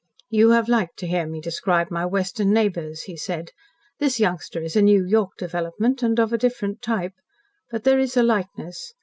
"You have liked to hear me describe my Western neighbours," he said. "This youngster is a New York development, and of a different type. But there is a likeness.